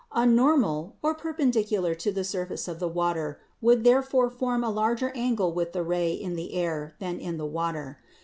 A "normal" or perpendicular to the surface of the water would therefore form a larger angle with the ray in the air than in the water.